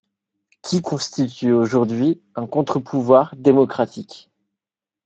…qui constitue aujourd’hui un contre-pouvoir démocratique.